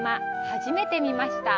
初めて見ました。